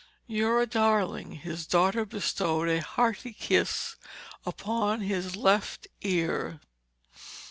"You're a darling!" His daughter bestowed a hearty kiss upon his left ear.